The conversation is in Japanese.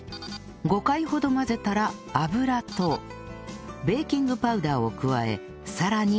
５回ほど混ぜたら油とベーキングパウダーを加えさらに混ぜます